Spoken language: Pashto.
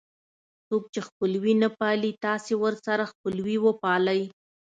څوک چې خپلوي نه پالي تاسې ورسره خپلوي وپالئ.